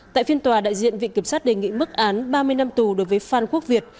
tại phiên tòa đại diện viện kiểm sát đề nghị mức án ba mươi năm tù đối với phan quốc việt